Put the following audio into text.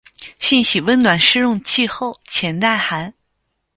性喜温暖润湿气候且耐寒。